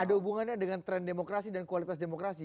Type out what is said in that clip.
dan itu ada hubungannya dengan tren demokrasi dan kualitas demokrasi